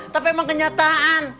tapi emang kenyataan